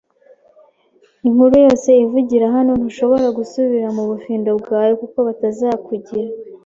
inkuru yose ivuga hano: ntushobora gusubira mubufindo bwawe, kuko batazakugira;